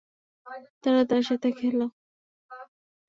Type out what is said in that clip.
তারা তার সাথে খেল।